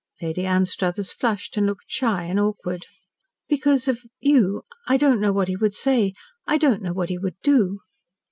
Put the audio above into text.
Lady Anstruthers flushed and looked shy and awkward. "Because of you. I don't know what he would say. I don't know what he would do."